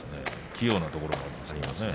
器用なところあります。